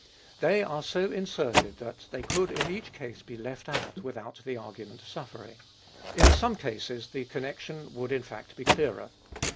They are so inserted that they could in each case be left out, without the argument suffering. In some cases, the connection would in fact be clearer.